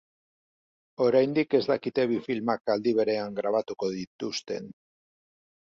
Oraindik ez dakite bi filmak aldi berean grabatuko dituzten.